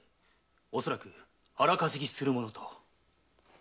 おそらく荒稼ぎするものと。